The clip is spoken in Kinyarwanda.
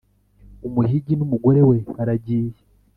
umuhigi n'umugore we baragiye